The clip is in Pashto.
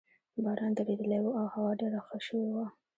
باران درېدلی وو او هوا ډېره ښه شوې وه.